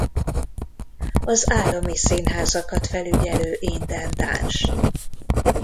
Az állami színházakat felügyelő intendáns.